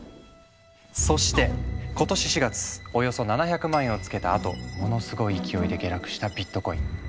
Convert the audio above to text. そして今年４月およそ７００万円をつけたあとものすごい勢いで下落したビットコイン。